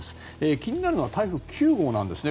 気になるのは台風９号なんですね